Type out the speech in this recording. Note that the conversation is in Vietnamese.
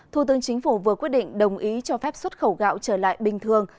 thủ tướng chính phủ vừa quyết định đồng ý cho phép xuất khẩu gạo trở lại bình thường